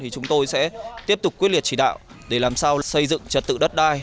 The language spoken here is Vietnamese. chúng tôi sẽ tiếp tục quyết liệt chỉ đạo để làm sao xây dựng trật tự đất đai